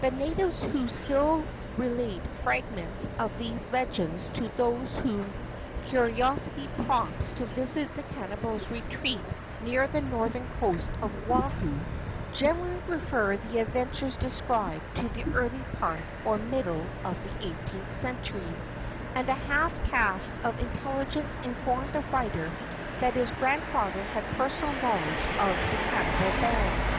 The natives, who still relate fragments of these legends to those whom curiosity prompts to visit the cannibals' retreat near the northern coast of Oahu, generally refer the adventures described to the early part or middle of the eighteenth century, and a half caste of intelligence informed the writer that his grandfather had personal knowledge of the cannibal band.